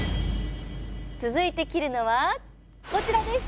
続いて切るのはこちらです。